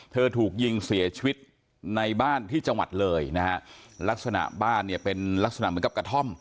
ถูกยิงเสียชีวิตในบ้านที่จังหวัดเลยนะฮะลักษณะบ้านเนี่ยเป็นลักษณะเหมือนกับกระท่อม